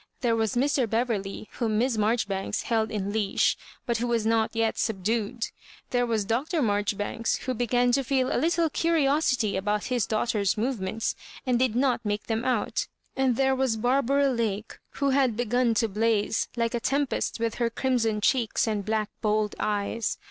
There was Mr. Beverley, whom Miss Marjoribanks held in leash, but who was not yet subdued ; and there was Dr. Maijoribanks, who began to feel a little curiosity about his daugh ter's movements, and did not make them out; and there was Barbara Lake, who had begun to 8 blaze like a tempest with her crimson cheeks and black bold eyes.